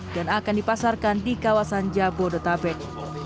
dan akan dipasarkan di kawasan jabodetabek